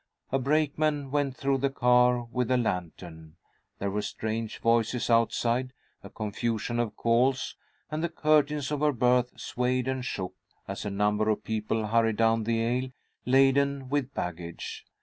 A brakeman went through the car with a lantern. There were strange voices outside, a confusion of calls, and the curtains of her berth swayed and shook as a number of people hurried down the aisle, laden with baggage.